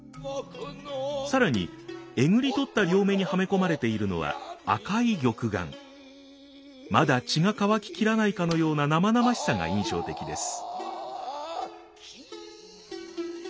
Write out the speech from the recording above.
更にえぐり取った両目にはめ込まれているのはまだ血が乾き切らないかのような生々しさが印象的です。